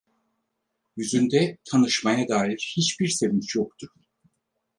Yüzünde tanışmaya dair hiçbir sevinç yoktu.